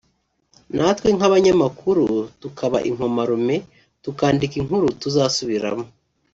natwe nk’abanyamakuru tukaba inkomarume tukandika inkuru tuzasubiramo